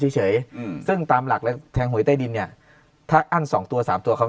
เฉยอืมซึ่งตามหลักและแทงหวยใต้ดินเนี่ยถ้าอั้นสองตัวสามตัวเขา